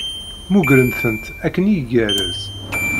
Mmugren-tent akken igerrez.